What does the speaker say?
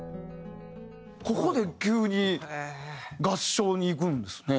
ここで急に合唱に行くんですね。